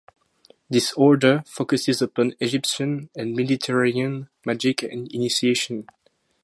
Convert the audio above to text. This Order focuses upon Egyptian and Mediterranean magick and initiation.